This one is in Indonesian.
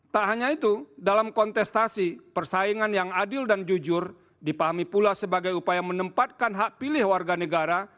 tak hanya itu dalam kontestasi persaingan yang adil dan jujur dipahami pula sebagai upaya menempatkan hak pilih warga negara